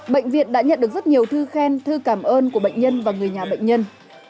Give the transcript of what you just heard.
bệnh viện đã nhận được rất nhiều thư khen thư cảm ơn của bệnh nhân và người nhà bệnh nhân